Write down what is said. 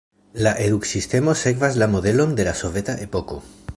La eduksistemo sekvas la modelon de la soveta epoko.